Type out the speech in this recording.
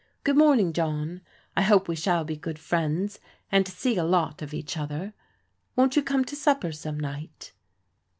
Good morning, John. I hope we shall be good friends, and see a lot of each other. Won't you come to supper some night